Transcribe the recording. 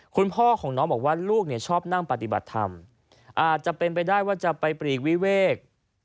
คุณพ่อของน้องบอกว่าลูกเนี่ยชอบนั่งปฏิบัติธรรมอาจจะเป็นไปได้ว่าจะไปปลีกวิเวก